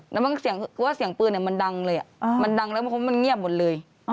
แล้วเสียงปืนมันดังเลยมันดังแล้วมันเงียบหมดเลย